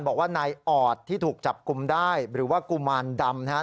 บอกว่านายออดที่ถูกจับกลุ่มได้หรือว่ากุมารดำนะครับ